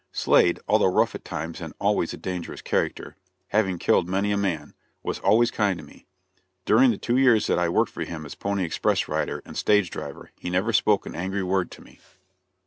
Slade, although rough at times and always a dangerous character having killed many a man was always kind to me. During the two years that I worked for him as pony express rider and stage driver, he never spoke an angry word to me.